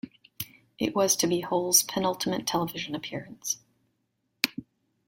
It was to be Hull's penultimate television appearance.